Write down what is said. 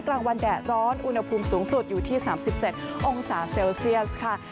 กลางวันแดดร้อนอุณหภูมิสูงสุดอยู่ที่๓๗องศาเซลเซียสค่ะ